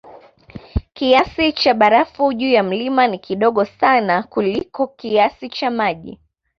Kiasi cha barafu juu ya mlima ni kidogo sana kuliko kiasi cha maji